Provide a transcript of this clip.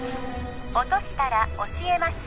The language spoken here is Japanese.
落としたら教えます